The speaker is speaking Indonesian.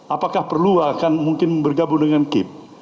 apakah perlu akan mungkin bergabung dengan kip